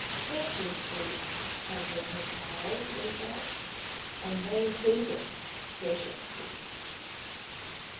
"'Ficiency" had been his motto, they said, and they hated "'Ficiency."